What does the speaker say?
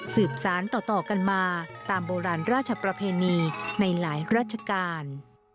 สืบสารต่อกันมาตามโบราณราชประเพณีในหลายราชการ